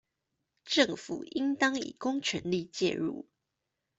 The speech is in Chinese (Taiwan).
政府應當以公權力介入